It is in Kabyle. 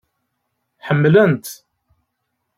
Ḥemmlen-t.